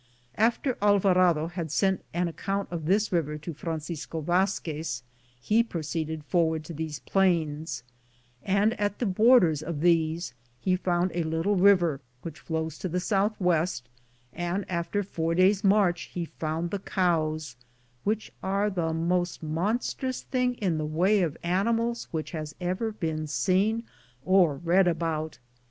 After Alvarado had sent an ac count of this river to Francisco Vazquez, he proceeded forward to these plains, and at the borders of these he found a little river which flows to the southwest, and after four days' march he found the cows, which are the most monstrous thing in the way of animals which has ever been seen or read about.